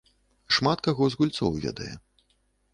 Шмат каго з гульцоў ведае.